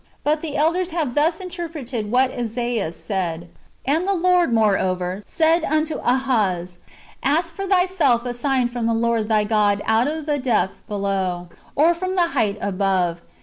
^ But the elders have thus interpreted what Esaias said :" And the Lord, moreover, said unto Ahaz, Ask for thyself a sign from the Lord thy God out of the depth below, or from the height above.